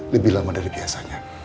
lebih lama dari biasanya